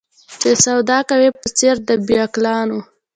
چي سودا کوې په څېر د بې عقلانو